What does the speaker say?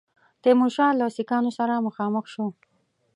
تیمورشاه له سیکهانو سره مخامخ شو.